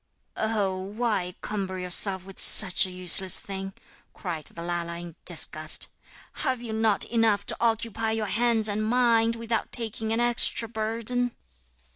'Oh, why cumber yourself with such a useless thing,' cried the Lala in disgust; 'have you not enough to occupy your hands and mind, without taking an extra burden?'